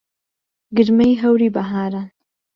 گرمەی هەوری بەهاران